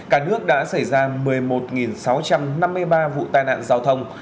cả nước đã xảy ra một mươi một sáu trăm năm mươi ba vụ tai nạn giao thông